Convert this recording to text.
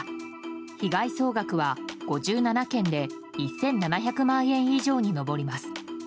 被害総額は５７件で１７００万円以上に上ります。